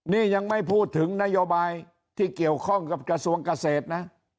นี่ยังไม่พูดถึงนโยบายที่เกี่ยวข้องกับกระทรวงเกษตรนะ